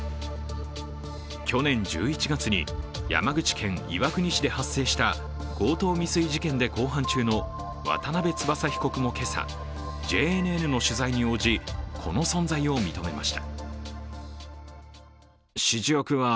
去年１１月に山口県岩国市で発生した強盗未遂事件で公判中の渡辺翼被告も今朝、ＪＮＮの取材に応じこの存在を認めました。